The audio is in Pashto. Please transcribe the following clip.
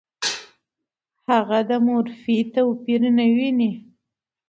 هغه د مورفي توپیر نه ویني.